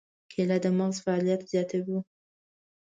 کېله د مغز فعالیت زیاتوي.